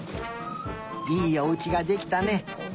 いいおうちができたね。